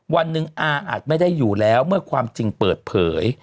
วันหนึ่งอาจไม่ได้อยู่แล้วเมื่อความจริงเปิดเผย